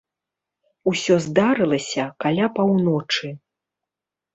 Усё здарылася каля паўночы.